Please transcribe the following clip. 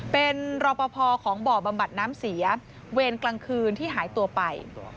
เป็นรอปภของบ่อบำบัดน้ำเสียเวรกลางคืนที่หายตัวไป